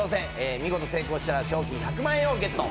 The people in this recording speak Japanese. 見事成功したら賞金１００万円をゲット。